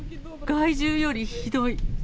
害獣よりひどい。